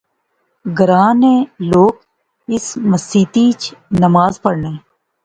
گراں نے لوک اس مسیتی اچ نماز پڑھنے